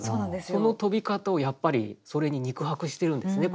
その飛び方をやっぱりそれに肉薄してるんですね。